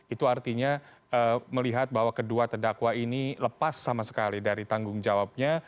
itu artinya melihat bahwa kedua terdakwa ini lepas sama sekali dari tanggung jawabnya